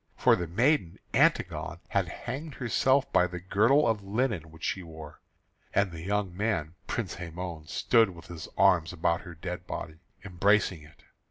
For the maiden Antigone had hanged herself by the girdle of linen which she wore, and the young man Prince Hæmon stood with his arms about her dead body, embracing it.